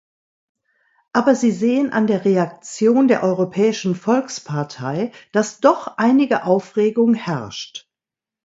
Aber Sie sehen an der Reaktion der Europäischen Volkspartei, dass doch einige Aufregung herrscht.